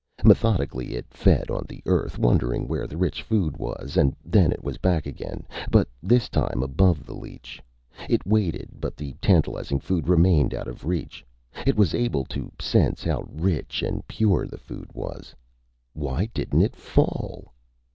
Methodically, it fed on the Earth, wondering where the rich food was. And then it was back again, but this time above the leech. It waited, but the tantalizing food remained out of reach. It was able to sense how rich and pure the food was. Why didn't it fall?